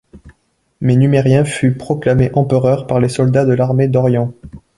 Mais Numérien fut proclamé empereur par les soldats de l'armée d'Orient.